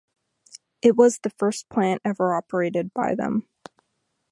It was the first plant ever operated by them.